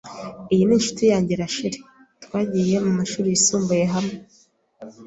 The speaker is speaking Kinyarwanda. Iyi ni inshuti yanjye Rasheli. Twagiye mu mashuri yisumbuye hamwe.